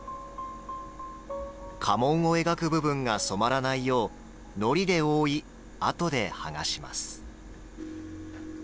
家紋を描く部分が染まらないようのりで覆い、あとで剥がします。